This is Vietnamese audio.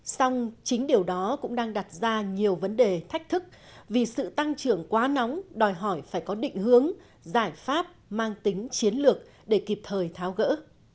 xong chính điều đó cũng đang đặt ra nhiều vấn đề thách thức vì sự tăng trưởng quá nóng đòi hỏi phải có định hướng giải pháp mang tính chiến lược để kịp thời tháo gỡ